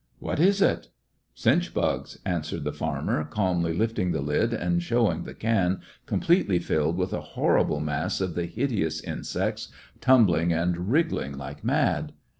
'' ''What is it!" "Chinch bugs/* answered the farmer, calmly lifting the lid and showing the can, completely filled with a horrible mass of the hideous in sects, tumbling and wriggling like mad.